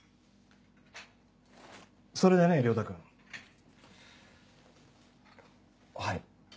それでね良太君。はい。